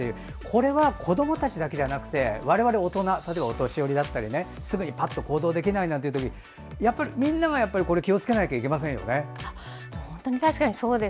これは子どもたちだけじゃなくて我々、大人例えば、お年寄りだったりすぐに行動できない時だったりやっぱりみんなが気をつけなきゃいけませんよね。